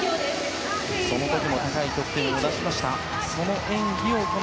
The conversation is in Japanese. その時も高い得点を出しました。